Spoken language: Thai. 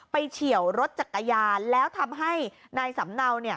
เฉียวรถจักรยานแล้วทำให้นายสำเนา